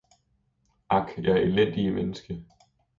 Ak, jeg elendige Menneske!